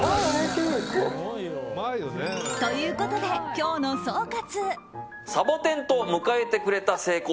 ということで、今日の総括。